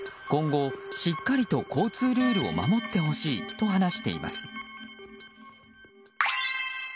今後、しっかりと交通ルールを守ってほしいと話しています。